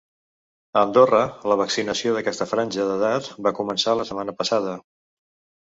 A Andorra, la vaccinació d’aquesta franja d’edat va començar la setmana passada.